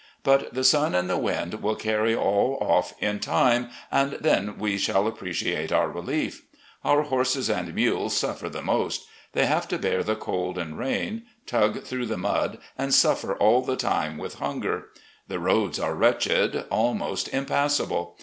But the sun and the wind will carry all off in time, and then we shall appreciate our relief. Our horses and mules suffer the most. They have to bear the cold and rain, tug through the mud, and suffer all the time with hunger. The roads are wretched, almost impassable.